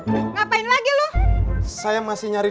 dateng ke sini